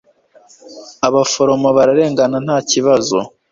abaforomo bararengana, nta kibazo